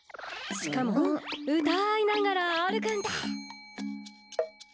しかもうたいながらあるくんだ。